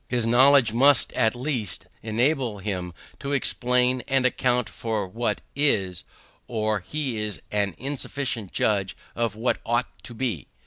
His knowledge must at least enable him to explain and account for what is, or he is an insufficient judge of what ought to be.